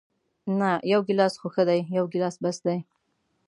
نه، یو ګیلاس خو ښه دی، یو ګیلاس بس دی.